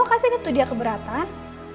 kasihnya tuh dia keberatan